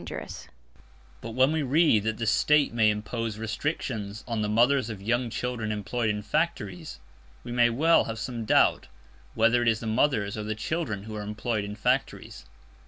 But when we read that "the State may impose restrictions on the mothers of young children employed in factories," we may well have some doubt whether it is the mothers or the children who are employed in factories.